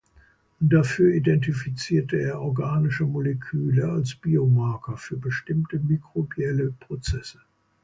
Dafür identifiziert er organische Moleküle als Biomarker für bestimmte mikrobielle Prozesse.